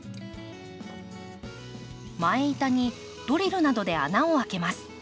前板にドリルなどで穴を開けます。